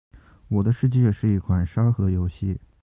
《我的世界》是一款沙盒游戏。